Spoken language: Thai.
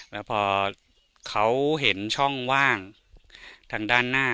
แล้วพอเขาเห็นช่องว่างทางด้านหน้า